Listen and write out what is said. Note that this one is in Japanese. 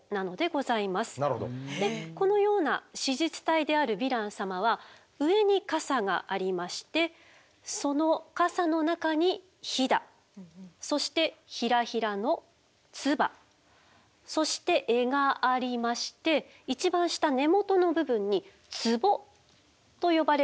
でこのような子実体であるヴィラン様は上にカサがありましてそのカサの中にヒダそしてひらひらのツバそして柄がありまして一番下根元の部分にツボと呼ばれる部分がございます。